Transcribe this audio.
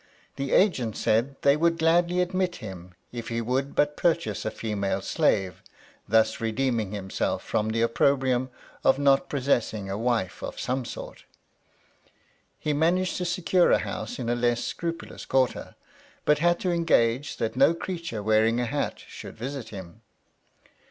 The agent said they would gladly admit him if he would but purchase a female slave, thus redeeming himself from the opprobrium of not possessing a wife of some sort. He managed to secure a house in a less scrupulous quarter, but had to engage that no creature wearing a hat should visit him.